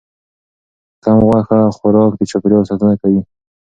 کم غوښه خوراک د چاپیریال ساتنه کوي.